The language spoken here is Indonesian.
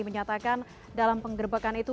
menyatakan dalam penggerbekan itu